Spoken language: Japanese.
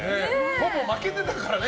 ほぼ負けてたからね。